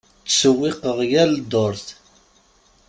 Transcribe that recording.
Ttsewwiqeɣ yal ddurt.